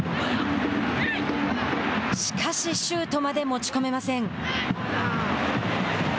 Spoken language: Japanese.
しかし、シュートまで持ち込めません。